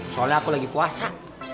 soalnya aku lagi puasa